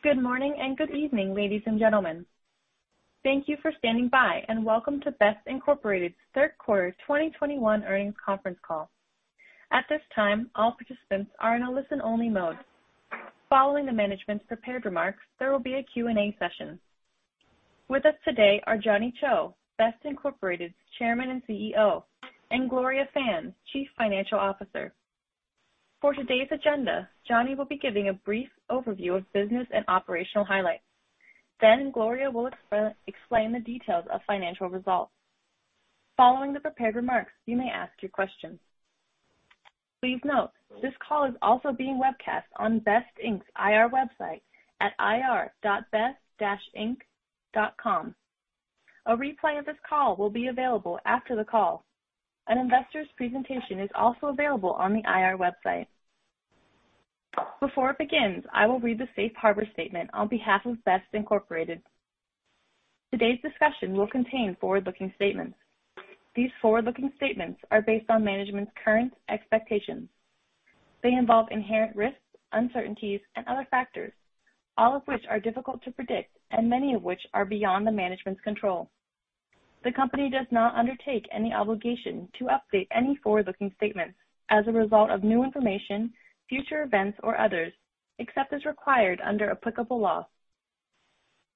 Good morning and good evening, ladies and gentlemen. Thank you for standing by, and welcome to BEST Inc. Q3 2021 Earnings Conference Call. At this time, all participants are in a listen-only mode. Following the management's prepared remarks, there will be a Q&A session. With us today are Johnny Chou, BEST Inc. Chairman and CEO, and Gloria Fan, Chief Financial Officer. For today's agenda, Johnny will be giving a brief overview of business and operational highlights. Then Gloria will explain the details of financial results. Following the prepared remarks, you may ask your questions. Please note, this call is also being webcast on BEST Inc.'s IR website at ir.best-inc.com. A replay of this call will be available after the call. An investor's presentation is also available on the IR website. Before it begins, I will read the safe harbor statement on behalf of BEST Inc. Today's discussion will contain forward-looking statements. These forward-looking statements are based on management's current expectations. They involve inherent risks, uncertainties, and other factors, all of which are difficult to predict and many of which are beyond the management's control. The company does not undertake any obligation to update any forward-looking statements as a result of new information, future events, or others, except as required under applicable law.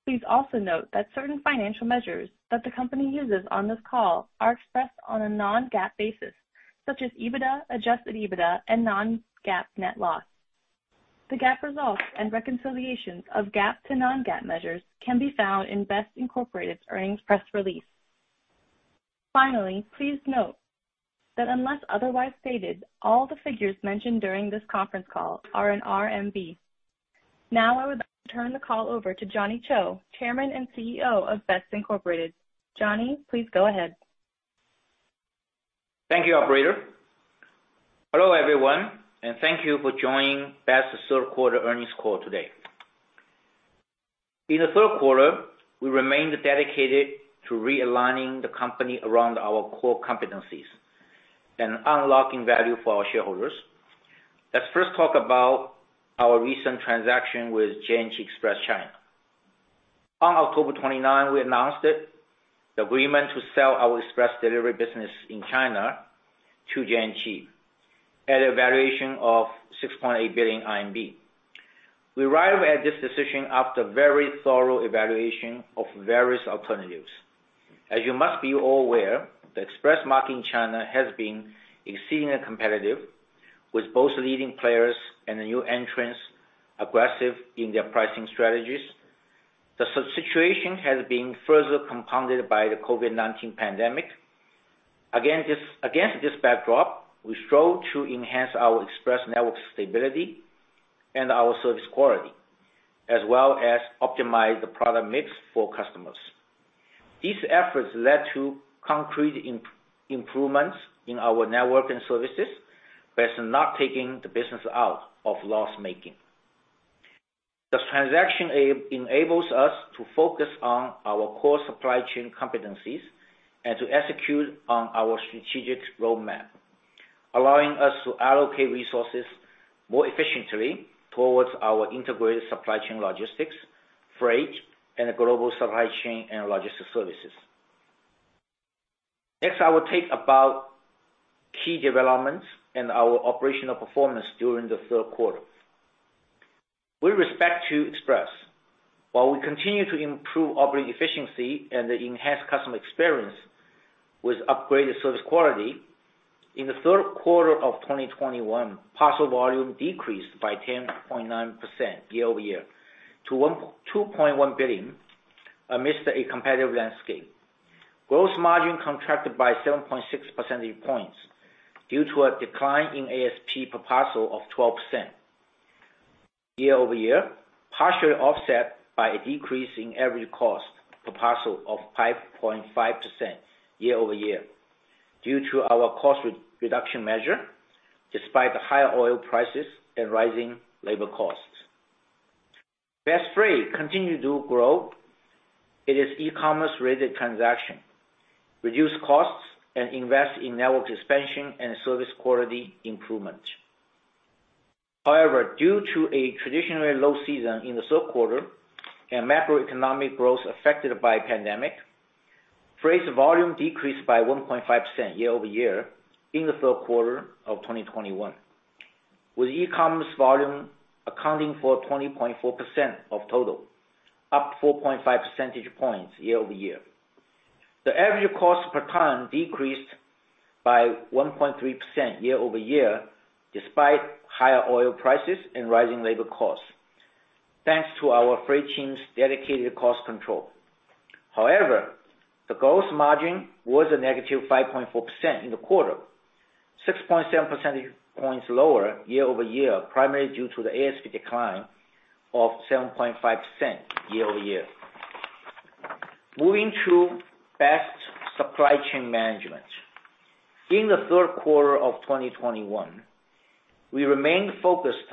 Please also note that certain financial measures that the company uses on this call are expressed on a non-GAAP basis, such as EBITDA, adjusted EBITDA, and non-GAAP net loss. The GAAP results and reconciliations of GAAP to non-GAAP measures can be found in BEST Inc.'s earnings press release. Finally, please note that unless otherwise stated, all the figures mentioned during this conference call are in RMB. Now I would like to turn the call over to Johnny Chou, Chairman and CEO of BEST Inc. Johnny, please go ahead. Thank you, operator. Hello, everyone, and thank you for joining BEST's third quarter earnings call today. In the third quarter, we remained dedicated to realigning the company around our core competencies and unlocking value for our shareholders. Let's first talk about our recent transaction with J&T Express China. On October 29th, we announced it, the agreement to sell our express delivery business in China to J&T at a valuation of 6.8 billion RMB. We arrived at this decision after very thorough evaluation of various alternatives. As you must be all aware, the express market in China has been exceedingly competitive, with both leading players and the new entrants aggressive in their pricing strategies. The situation has been further compounded by the COVID-19 pandemic. Again, this against this backdrop, we strove to enhance our express network stability and our service quality, as well as optimize the product mix for customers. These efforts led to concrete improvements in our network and services, but it's not taking the business out of loss-making. This transaction enables us to focus on our core supply chain competencies and to execute on our strategic roadmap, allowing us to allocate resources more efficiently towards our integrated supply chain logistics, freight, and global supply chain and logistics services. Next, I will talk about key developments and our operational performance during the third quarter. With respect to Express, while we continue to improve operating efficiency and enhance customer experience with upgraded service quality, in the third quarter of 2021, parcel volume decreased by 10.9% year-over-year to 2.1 billion amidst a competitive landscape. Gross margin contracted by 7.6 percentage points due to a decline in ASP per parcel of 12% year-over-year, partially offset by a decrease in average cost per parcel of 5.5% year-over-year due to our cost re-reduction measure, despite the higher oil prices and rising labor costs. BEST Freight continued to grow its e-commerce-related transaction, reduce costs, and invest in network expansion and service quality improvement. However, due to a traditionally low season in the third quarter and macroeconomic growth affected by pandemic, BEST Freight's volume decreased by 1.5% year-over-year in the third quarter of 2021, with e-commerce volume accounting for 20.4% of total, up 4.5 percentage points year-over-year. The average cost per ton decreased by 1.3% year-over-year, despite higher oil prices and rising labor costs, thanks to our freight team's dedicated cost control. However, the gross margin was -5.4% in the quarter, 6.7 percentage points lower year-over-year, primarily due to the ASP decline of 7.5% year-over-year. Moving to BEST Supply Chain Management. In the third quarter of 2021, we remained focused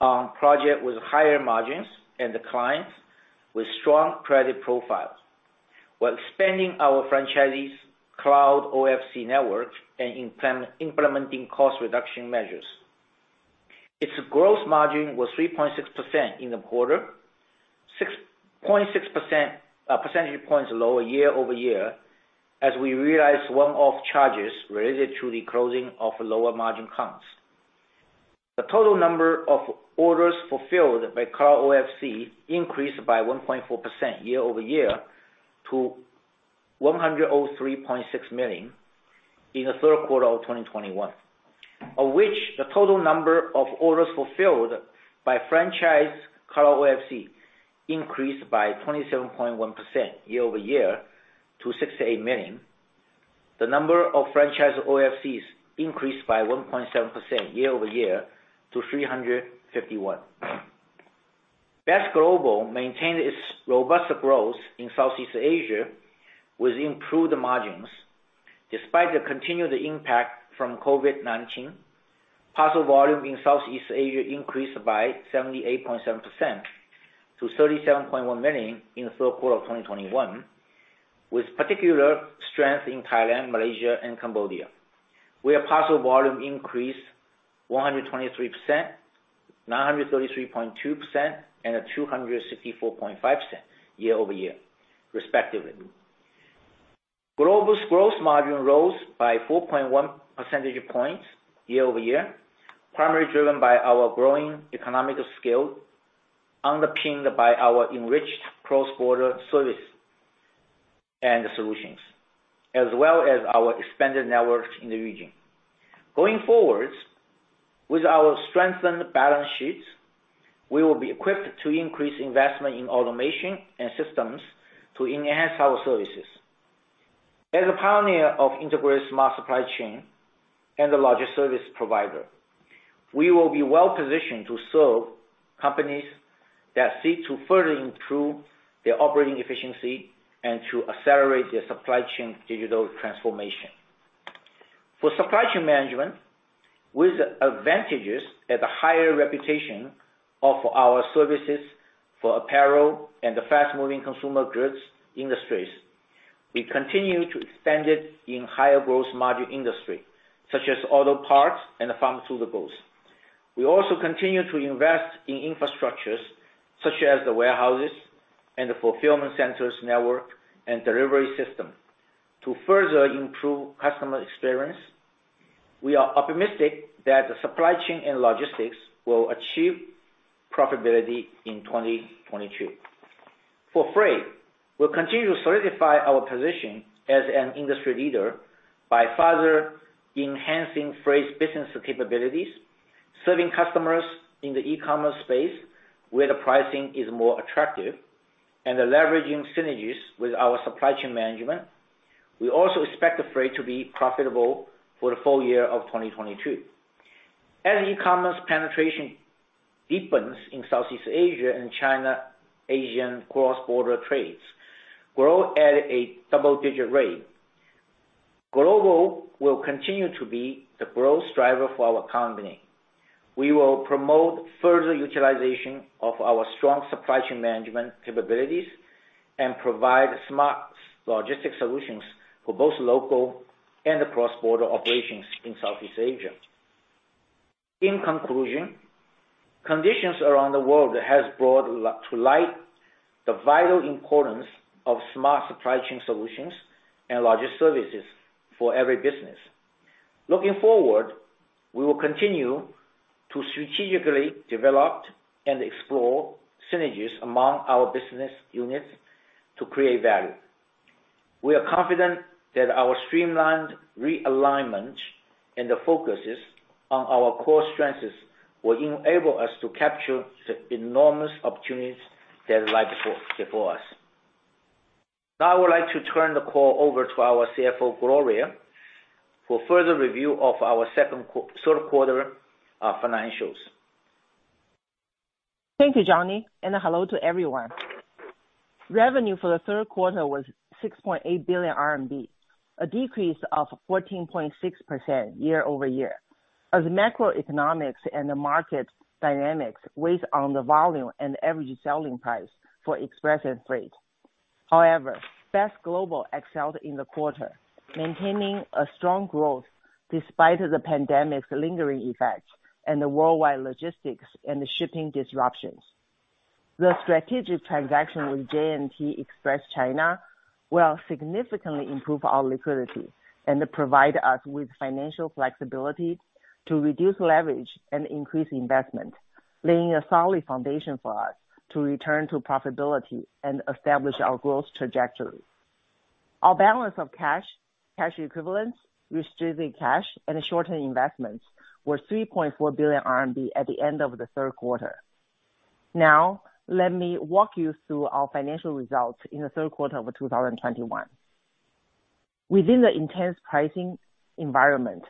on project with higher margins and the clients with strong credit profiles while expanding our franchisees Cloud OFC network and implementing cost reduction measures. Its gross margin was 3.6% in the quarter, 6.6 percentage points lower year-over-year as we realized one-off charges related to the closing of lower margin accounts. The total number of orders fulfilled by Cloud OFC increased by 1.4% year-over-year to 103.6 million in the third quarter of 2021. Of which the total number of orders fulfilled by franchise Cloud OFC increased by 27.1% year-over-year to 68 million. The number of franchise OFCs increased by 1.7% year-over-year to 351. BEST Global maintained its robust growth in Southeast Asia with improved margins. Despite the continued impact from COVID-19, parcel volume in Southeast Asia increased by 78.7% to 37.1 million in Q3 2021, with particular strength in Thailand, Malaysia and Cambodia, where parcel volume increased 123%, 933.2%, and 264.5% year-over-year, respectively. BEST Global's gross margin rose by 4.1 percentage points year-over-year, primarily driven by our growing economic scale, underpinned by our enriched cross-border service and solutions, as well as our expanded networks in the region. Going forward, with our strengthened balance sheets, we will be equipped to increase investment in automation and systems to enhance our services. As a pioneer of integrated smart supply chain and the largest service provider, we will be well positioned to serve companies that seek to further improve their operating efficiency and to accelerate their supply chain digital transformation. For supply chain management, with advantages and the higher reputation of our services for apparel and the fast-moving consumer goods industries, we continue to expand it in higher growth margin industry such as auto parts and pharmaceuticals. We also continue to invest in infrastructures such as the warehouses and the fulfillment centers network and delivery system to further improve customer experience. We are optimistic that the supply chain and logistics will achieve profitability in 2022. For freight, we'll continue to solidify our position as an industry leader by further enhancing freight business capabilities, serving customers in the e-commerce space where the pricing is more attractive and leveraging synergies with our supply chain management. We also expect the freight to be profitable for the full year of 2022. As e-commerce penetration deepens in Southeast Asia and China, Asian cross-border trades grow at a double-digit rate. Global will continue to be the growth driver for our company. We will promote further utilization of our strong supply chain management capabilities and provide smart logistics solutions for both local and cross-border operations in Southeast Asia. In conclusion, conditions around the world has brought to light the vital importance of smart supply chain solutions and logistics services for every business. Looking forward, we will continue to strategically develop and explore synergies among our business units to create value. We are confident that our streamlined realignment and the focuses on our core strengths will enable us to capture the enormous opportunities that lie before us. Now I would like to turn the call over to our CFO, Gloria, for further review of our third quarter financials. Thank you, Johnny Chou, and hello to everyone. Revenue for the third quarter was 6.8 billion RMB, a decrease of 14.6% year-over-year as macroeconomics and the market dynamics weighs on the volume and average selling price for express and freight. However, BEST Global excelled in the quarter, maintaining a strong growth despite the pandemic's lingering effect and the worldwide logistics and the shipping disruptions. The strategic transaction with J&T Express China will significantly improve our liquidity and provide us with financial flexibility to reduce leverage and increase investment, laying a solid foundation for us to return to profitability and establish our growth trajectory. Our balance of cash equivalents, restricted cash and short-term investments were 3.4 billion RMB at the end of the third quarter. Now, let me walk you through our financial results in the third quarter of 2021. Within the intense pricing environment,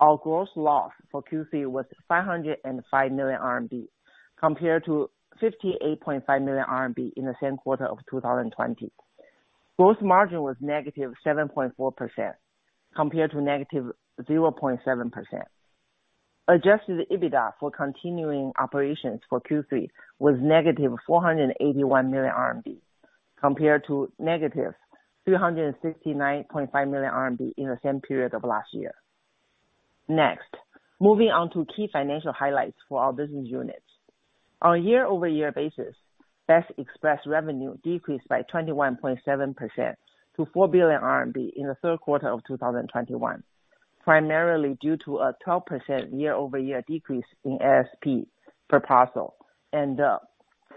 our gross loss for Q3 was 505 million RMB compared to 58.5 million RMB in the same quarter of 2020. Gross margin was -7.4% compared to -0.7%. Adjusted EBITDA for continuing operations for Q3 was -481 million RMB, compared to -369.5 million RMB in the same period of last year. Next, moving on to key financial highlights for our business units. On a year-over-year basis, BEST Express revenue decreased by 21.7% to 4 billion RMB in the third quarter of 2021, primarily due to a 12% year-over-year decrease in ASP per parcel and a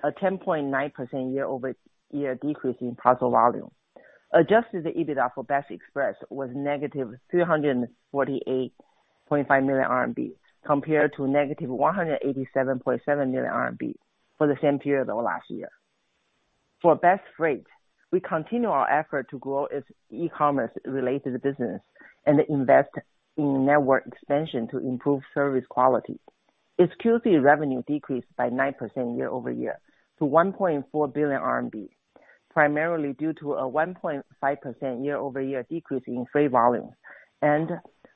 10.9% year-over-year decrease in parcel volume. Adjusted EBITDA for BEST Express was negative 348.5 million RMB compared to negative 187.7 million RMB for the same period of last year. For BEST Freight, we continue our effort to grow its e-commerce related business and invest in network expansion to improve service quality. Its Q3 revenue decreased by 9% year-over-year to 1.4 billion RMB, primarily due to a 1.5% year-over-year decrease in freight volume and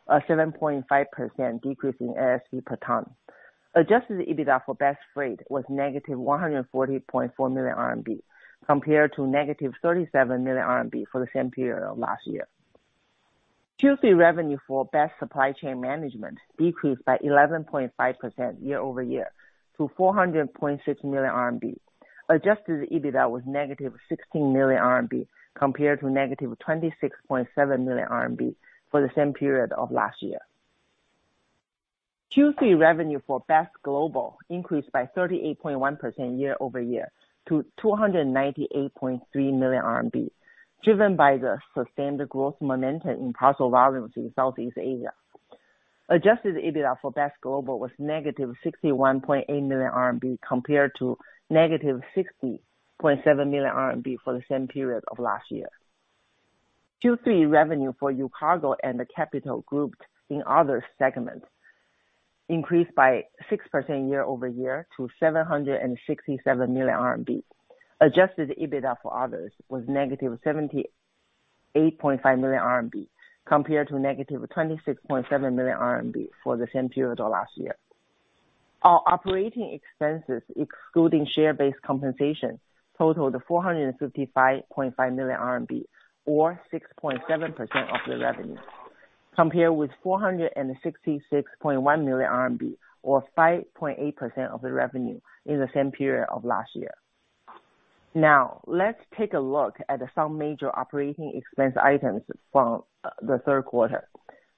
a 7.5% decrease in ASP per ton. Adjusted EBITDA for BEST Freight was negative 140.4 million RMB, compared to negative 37 million RMB for the same period of last year. Q3 revenue for BEST Supply Chain Management decreased by 11.5% year-over-year to 400.6 million RMB. Adjusted EBITDA was negative 16 million RMB, compared to negative 26.7 million RMB for the same period of last year. Q3 revenue for BEST Global increased by 38.1% year-over-year to 298.3 million RMB, driven by the sustained growth momentum in parcel volumes in Southeast Asia. Adjusted EBITDA for BEST Global was negative 61.8 million RMB, compared to negative 60.7 million RMB for the same period of last year. Q3 revenue for UCargo and BEST Capital in other segments increased by 6% year-over-year to 767 million RMB. Adjusted EBITDA for others was negative 78.5 million RMB, compared to negative 26.7 million RMB for the same period of last year. Our operating expenses, excluding share-based compensation, totaled 455.5 million RMB or 6.7% of the revenue, compared with 466.1 million RMB or 5.8% of the revenue in the same period of last year. Now, let's take a look at some major operating expense items from the third quarter.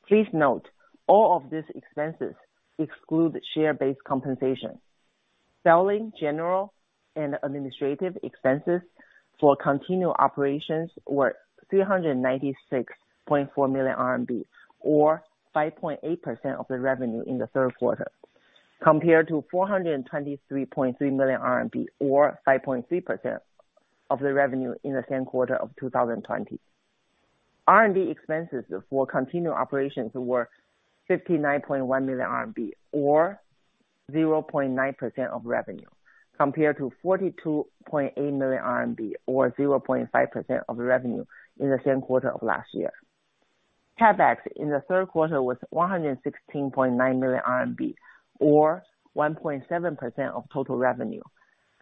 Please note all of these expenses exclude share-based compensation. Selling, general, and administrative expenses for continued operations were 396.4 million RMB or 5.8% of the revenue in the third quarter, compared to 423.3 million RMB or 5.3% of the revenue in the same quarter of 2020. R&D expenses for continued operations were 59.1 million RMB or 0.9% of revenue, compared to 42.8 million RMB or 0.5% of the revenue in the same quarter of last year. CapEx in the third quarter was 116.9 million RMB or 1.7% of total revenue,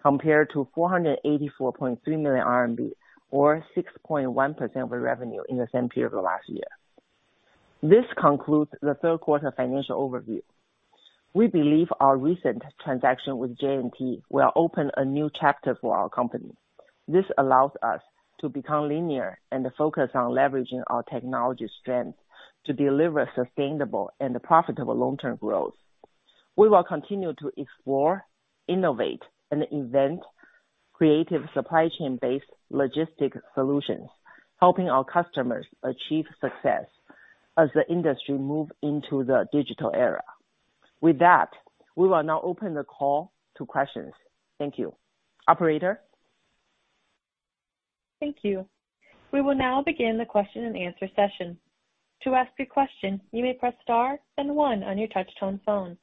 compared to 484.3 million RMB or 6.1% of the revenue in the same period of last year. This concludes the third quarter financial overview. We believe our recent transaction with J&T will open a new chapter for our company. This allows us to become leaner and focus on leveraging our technology strengths to deliver sustainable and profitable long-term growth. We will continue to explore, innovate, and invent creative supply chain-based logistics solutions, helping our customers achieve success as the industry moves into the digital era. With that, we will now open the call to questions. Thank you. Operator? Thank you. We will now begin the question-and-answer session. To ask a question, you may press star then one on your touchtone phone.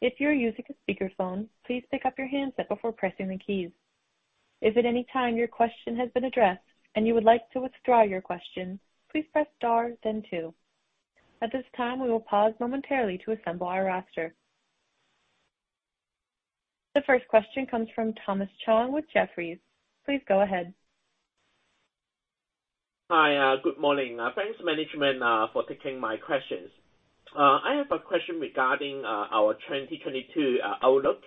If you are using a speakerphone, please pick up your handset before pressing the keys. If at any time your question has been addressed and you would like to withdraw your question, please press star then two. At this time, we will pause momentarily to assemble our roster. The first question comes from Thomas Chong with Jefferies. Please go ahead. Hi. Good morning. Thanks management for taking my questions. I have a question regarding our 2022 outlook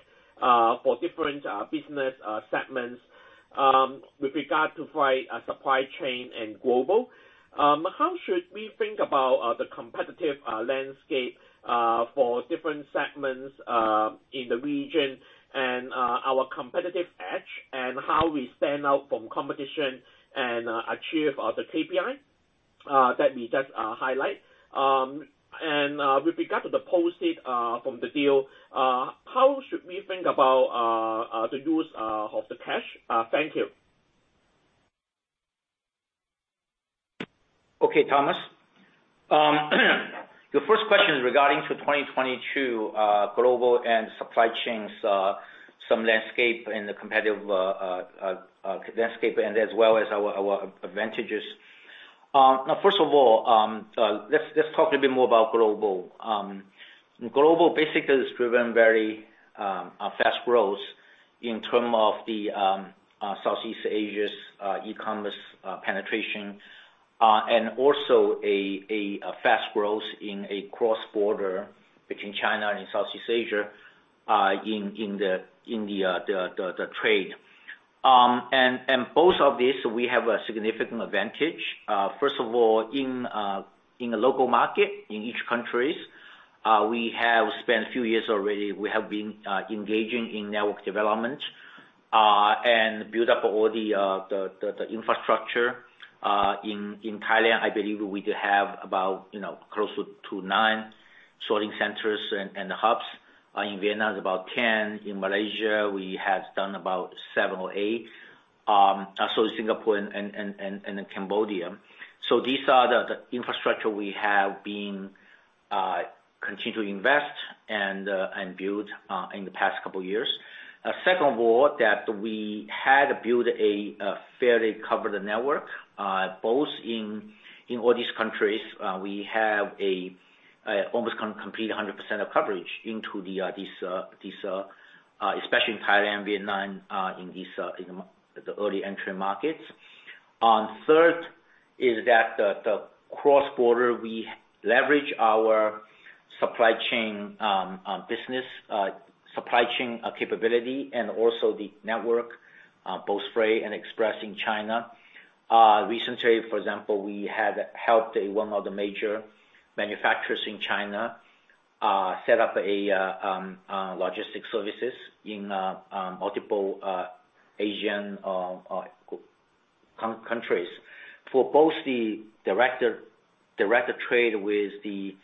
for different business segments with regard to supply chain and global. How should we think about the competitive landscape for different segments in the region and our competitive edge and how we stand out from competition and achieve the KPI that we just highlight. With regard to the proceeds from the deal, how should we think about the use of the cash? Thank you. Okay, Thomas. Your first question regarding to 2022 global and supply chains, some landscape and the competitive landscape and as well as our advantages. Now first of all, let's talk a little bit more about Global. Global basically has driven very fast growth in terms of the Southeast Asia's e-commerce penetration and also a fast growth in a cross-border between China and Southeast Asia in the trade. Both of these we have a significant advantage. First of all, in the local market in each countries, we have spent a few years already. We have been engaging in network development and build up all the infrastructure. In Thailand, I believe we do have about, you know, close to 29 sorting centers and hubs. In Vietnam is about 10. In Malaysia, we have done about seven or eight. Also Singapore and in Cambodia. These are the infrastructure we have been continuing to invest and build in the past couple years. Second of all, that we had built a fairly covered network both in all these countries. We have almost complete 100% of coverage into the this especially in Thailand, Vietnam, in the early entry markets. Third is that the cross-border, we leverage our supply chain business supply chain capability and also the network both freight and express in China. Recently, for example, we had helped one of the major manufacturers in China set up logistic services in multiple Asian countries for both direct trade with the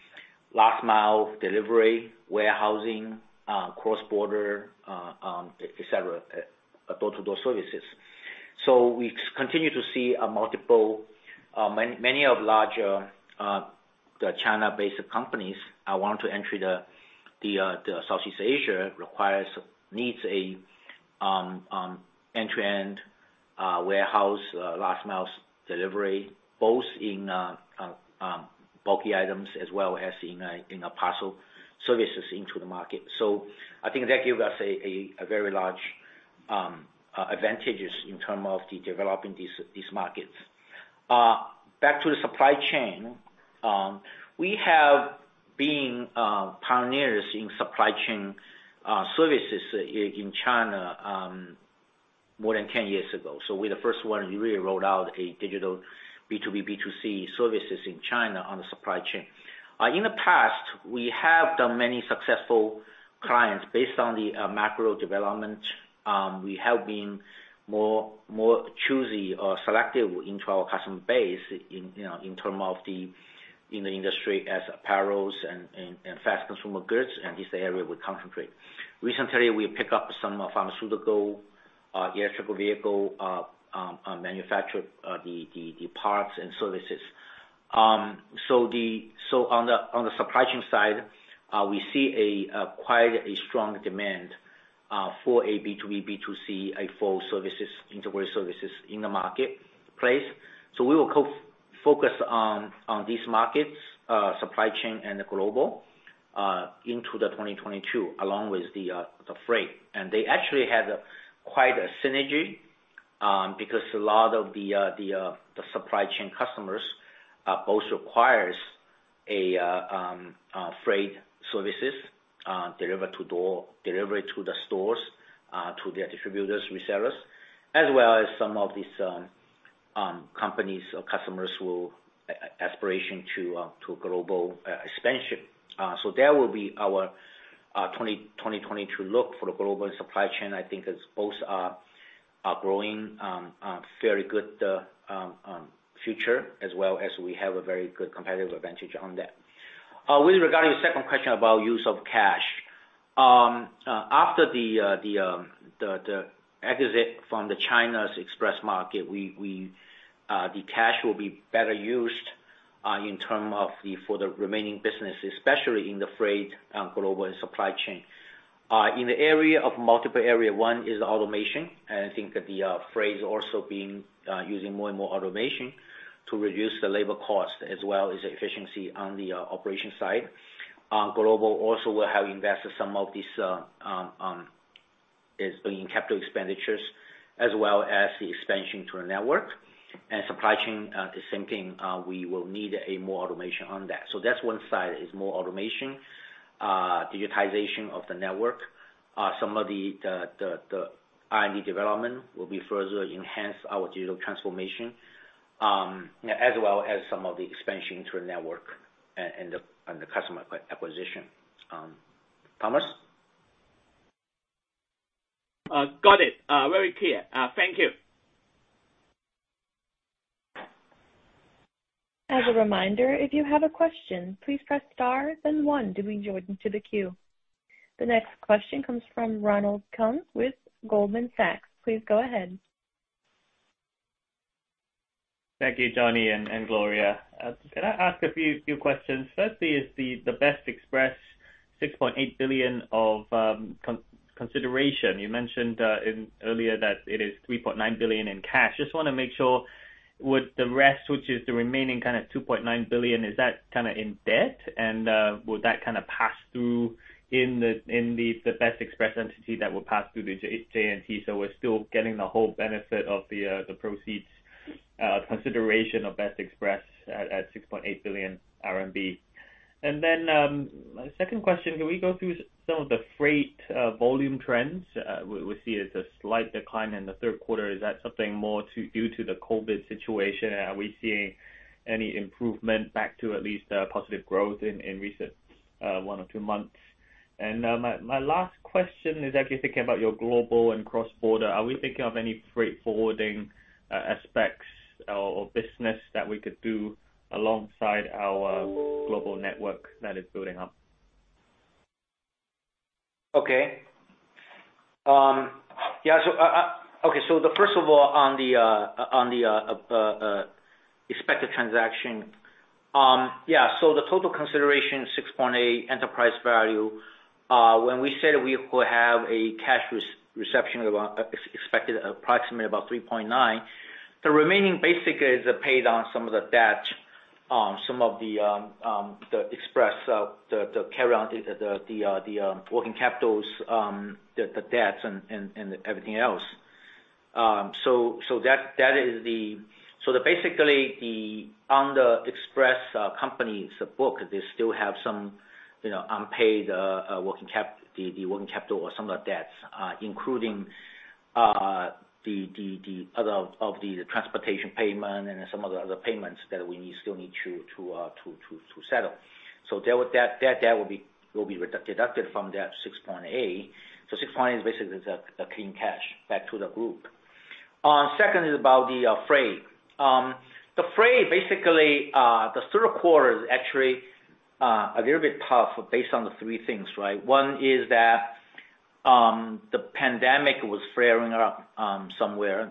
last mile delivery, warehousing, cross-border, et cetera, door-to-door services. We continue to see many of the larger China-based companies want to enter the Southeast Asia needs end-to-end warehouse last mile delivery, both in bulky items as well as in parcel services into the market. I think that gives us a very large advantages in terms of developing these markets. Back to the supply chain. We have been pioneers in supply chain services in China more than 10 years ago. We're the first one we really rolled out a digital B2B, B2C services in China on the supply chain. In the past, we have done many successful clients based on the macro development. We have been more choosy or selective into our customer base in, you know, in terms of the industry as apparel and fast consumer goods, and this is the area we concentrate. Recently, we pick up some pharmaceutical, electric vehicle, manufacturing, the parts and services. On the supply chain side, we see quite a strong demand for a B2B, B2C, a full services, integrated services in the marketplace. We will focus on these markets, supply chain and the global, into 2022, along with the freight. They actually have quite a synergy, because a lot of the supply chain customers both requires freight services, door-to-door delivery to the stores, to their distributors, resellers. As well as some of these companies or customers who aspire to global expansion. That will be our 2022 look for the global supply chain. I think both are growing a very good future, as well as we have a very good competitive advantage on that. Regarding the second question about use of cash. After the exit from China's express market, the cash will be better used for the remaining business, especially in the freight and global supply chain. In the area of multiple areas, one is automation. I think that the freight is also being using more and more automation to reduce the labor cost as well as efficiency on the operation side. Global also will have invested some of this in capital expenditures as well as the expansion to our network. Supply chain, the same thing, we will need more automation on that. That's one side is more automation. Digitization of the network. Some of the R&D development will be further enhance our digital transformation, as well as some of the expansion to our network and the customer acquisition. Thomas? Got it. Very clear. Thank you. As a reminder, if you have a question, please press star then one to be joined into the queue. The next question comes from Ronald Keung with Goldman Sachs. Please go ahead. Thank you, Johnny and Gloria. Can I ask a few questions? Firstly, is the BEST Express 6.8 billion of consideration. You mentioned earlier that it is 3.9 billion in cash. Just wanna make sure, would the rest, which is the remaining kind of 2.9 billion, is that kinda in debt? And would that kinda pass through in the BEST Express entity that will pass through the J&T, so we're still getting the whole benefit of the proceeds consideration of BEST Express at 6.8 billion RMB? And then second question, can we go through some of the freight volume trends? We see it's a slight decline in the third quarter. Is that something more due to the COVID situation? Are we seeing any improvement back to at least positive growth in recent one or two months? My last question is actually thinking about your global and cross-border. Are we thinking of any freight forwarding aspects or business that we could do alongside our global network that is building up? Okay. First of all, on the expected transaction. The total consideration 6.8 enterprise value, when we said we will have a cash receipt of expected approximately about 3.9. The remaining basically is paid on some of the debt, some of the express, the carryover, the working capital, the debts and everything else. That is the Basically, on the express company's book, they still have some, you know, unpaid working capital or some of the debts, including the other of the transportation payment and some of the other payments that we still need to settle. That would be deducted from that 6.8. 6.8 is basically the clean cash back to the group. Second is about the freight. The freight basically the third quarter is actually a little bit tough based on the three things, right? One is that the pandemic was flaring up somewhere.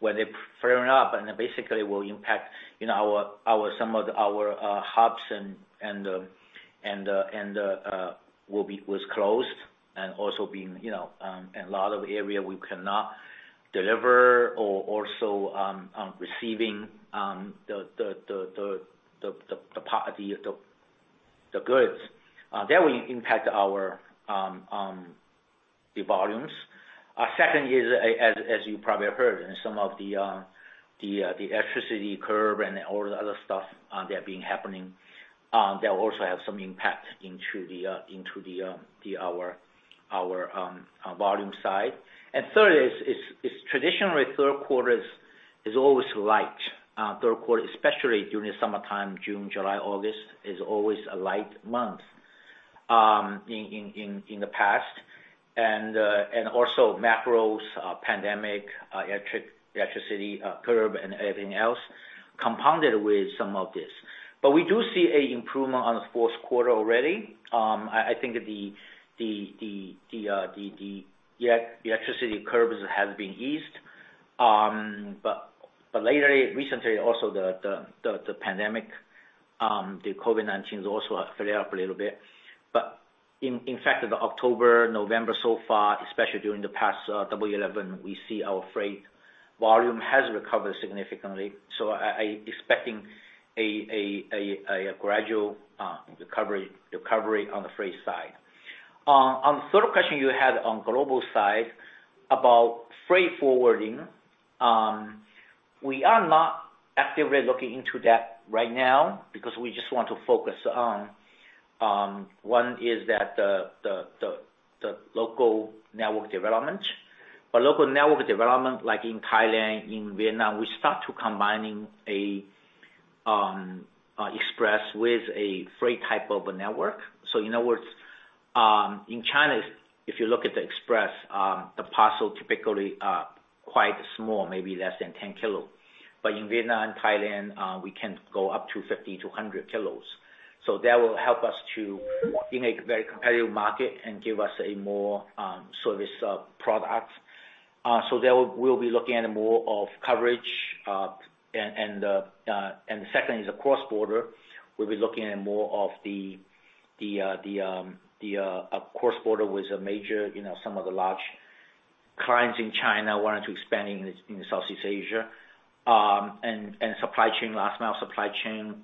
When they flaring up and basically will impact, you know, some of our hubs and will be closed and also in a lot of areas we cannot deliver or receiving the goods. That will impact our volumes. Second is as you probably heard in some of the electricity curbs and all the other stuff that have been happening, they'll also have some impact into our volume side. Third is traditionally third quarters is always light. Third quarter, especially during the summertime, June, July, August is always a light month in the past. Also macros, pandemic, electricity curbs and everything else compounded with some of this. We do see an improvement in the fourth quarter already. I think the electricity curbs has been eased. But lately, recently, also the pandemic, the COVID-19 has also flare up a little bit. In fact, in October, November so far, especially during the past Double 11, we see our freight volume has recovered significantly. I expect a gradual recovery on the freight side. On the third question you had on global side about freight forwarding, we are not actively looking into that right now because we just want to focus on one is that the local network development. Local network development, like in Thailand, in Vietnam, we start to combining a express with a freight type of a network. In other words, in China, if you look at the express, the parcel typically quite small, maybe less than 10 kilo. In Vietnam, Thailand, we can go up to 50 kilos-100 kilos. That will help us to be in a very competitive market and give us a more service product. That we'll be looking at more of coverage, and the second is the cross-border. We'll be looking at more of the cross-border with a major, you know, some of the large clients in China wanting to expand in Southeast Asia. Supply chain, last mile supply chain,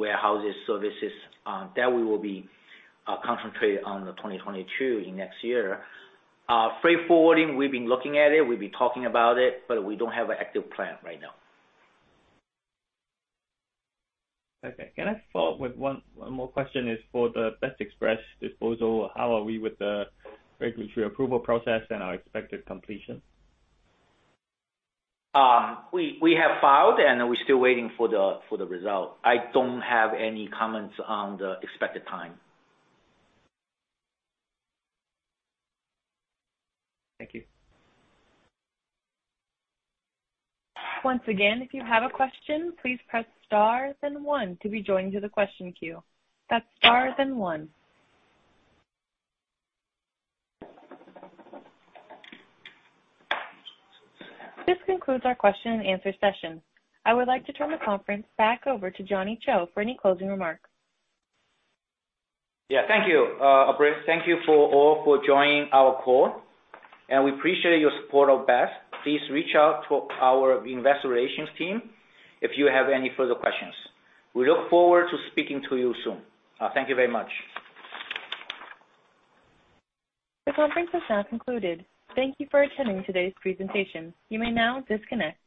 warehouse services that we will be concentrated on in 2022, next year. Freight forwarding, we've been looking at it, we've been talking about it, but we don't have an active plan right now. Okay. Can I follow up with one more question is for the BEST Express disposal, how are we with the regulatory approval process and our expected completion? We have filed and we're still waiting for the result. I don't have any comments on the expected time. Thank you. Once again, if you have a question, please press star then one to be joined to the question queue. That's star then one. This concludes our question and answer session. I would like to turn the conference back over to Johnny Chou for any closing remarks. Yeah. Thank you, Operator. Thank you all for joining our call, and we appreciate your support of BEST. Please reach out to our investor relations team if you have any further questions. We look forward to speaking to you soon. Thank you very much. The conference is now concluded. Thank you for attending today's presentation. You may now disconnect.